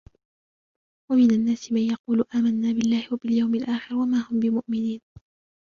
ومن الناس من يقول آمنا بالله وباليوم الآخر وما هم بمؤمنين